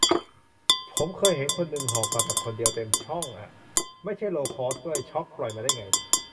ผมเคยเห็นคนนึงหอบมาแบบคนเดียวเต็มช่องอะ ไม่ใช่โลว์คอสต์ด้วย ช็อก ปล่อยมาได้ไง